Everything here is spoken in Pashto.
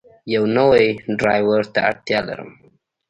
یو نوی ډرایور ته اړتیا لرم.